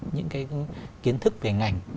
những cái kiến thức về ngành